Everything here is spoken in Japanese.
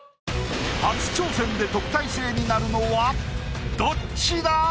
初挑戦で特待生になるのはどっちだ